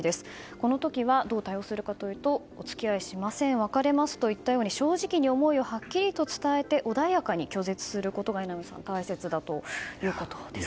この時はどう対応するかというとお付き合いしません別れますといったように正直に思いをはっきりと伝えて穏やかに拒絶することが大切だということです。